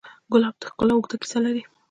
ګلاب د ښکلا اوږده کیسه لري.